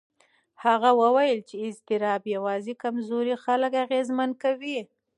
هغه وویل چې اضطراب یوازې کمزوري خلک اغېزمن کوي.